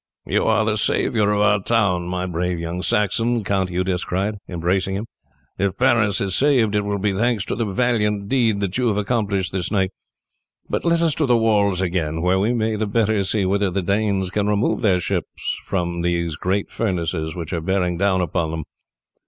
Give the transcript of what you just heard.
"You are the saviour of our town, my brave young Saxon," Count Eudes cried, embracing him. "If Paris is saved it will be thanks to the valiant deed that you have accomplished this night. But let us to the walls again, where we may the better see whether the Danes can remove their ships from those great furnaces which are bearing down upon them."